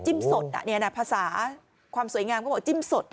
จิ้มสดนี่นะภาษาความสวยงามก็บอกจิ้มสด